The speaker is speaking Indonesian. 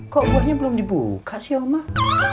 kok buahnya belum dibuka sih omak